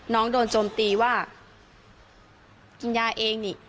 น้องโดนโจมตีว่ากินยาเองนี่